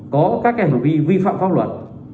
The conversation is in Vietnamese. có các hành vi vi phạm pháp luật